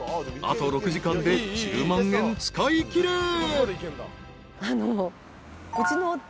［あと６時間で１０万円使いきれ］